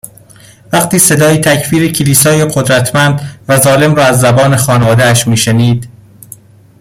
وقتی صدای تکفیر کلیسای قدرمتند و ظالم را از زبان خانواده اش می شنید